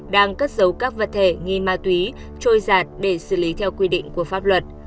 đang cất giấu các vật thể nghi ma túy trôi giạt để xử lý theo quy định của pháp luật